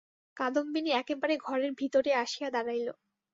কাদম্বিনী একেবারে ঘরের ভিতরে আসিয়া দাঁড়াইল।